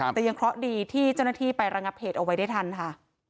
แต่ยังเคราะห์ดีที่เจ้าหน้าที่ไประงับเหตุเอาไว้ได้ทันค่ะ